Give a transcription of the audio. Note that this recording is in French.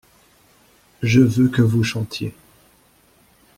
Je veux que vous chantiez.